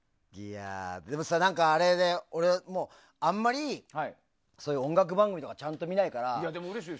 でもさ、あんまり音楽番組とかちゃんと見ないから。